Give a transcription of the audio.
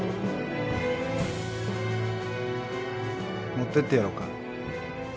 持ってってやろうか？